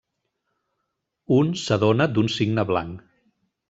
Un s'adona d'un cigne blanc.